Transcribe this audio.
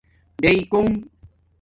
ڈئکونݣ